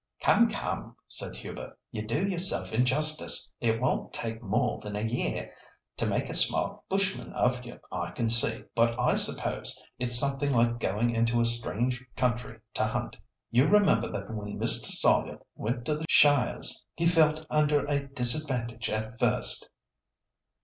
"Come, come," said Hubert; "you do yourself injustice. It won't take more than a year to make a smart bushman of you, I can see. But I suppose it's something like going into a strange country to hunt. You remember that when Mr. Sawyer went to the Shires he felt under a disadvantage at first."